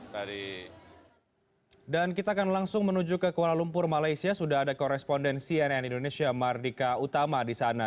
dan kita akan langsung menuju ke kuala lumpur malaysia sudah ada korespondensi ann indonesia mardika utama di sana